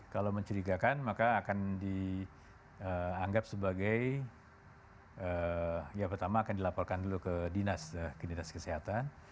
kalau mencurigakan maka akan dianggap sebagai ya pertama akan dilaporkan dulu ke dinas kesehatan